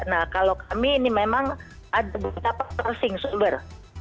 nah kalau kami ini memang ada beberapa persing sumber